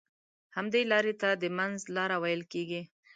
همدې لارې ته د منځ لاره ويل کېږي.